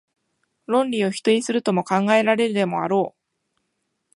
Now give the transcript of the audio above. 論理を否定するとも考えられるでもあろう。